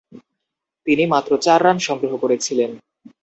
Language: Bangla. তিনি মাত্র চার রান সংগ্রহ করেছিলেন।